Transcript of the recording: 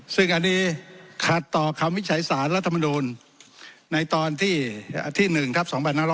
ซึ่งอันนี้ขัดต่อคำวิจัยสารรัฐมนูลในตอนที่๑ทัพ๒๕๖๐